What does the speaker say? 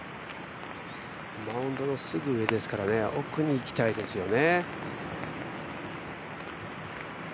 マウンドのすぐ上ですから奥にいきたいですよね。